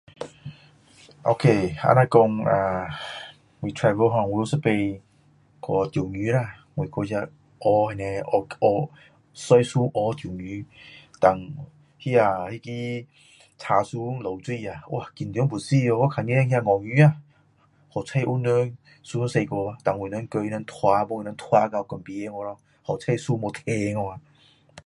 Ok，可以说啊我 travel ho 我有一次去钓鱼啦我去那河那边河河坐船河钓鱼然后那那个木船漏水啊哇紧张要死看见那鳄鱼啊好彩有人驾过去我们叫他们拉帮我们拉去江边好彩船没沉哦